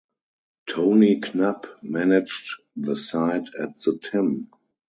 Tony Knapp managed the side at the tim.